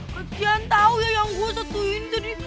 kecelan tau ya yang gue satu ini tadi